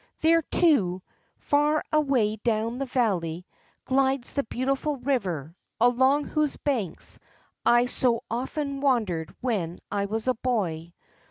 There, too, far away down the valley, glides the beautiful river, along whose banks I so often wandered when I was a boy.